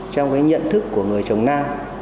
trong nhận thức của người trồng na